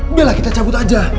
enggak lah kita cabut aja